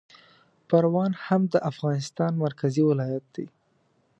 پروان هم د افغانستان مرکزي ولایت دی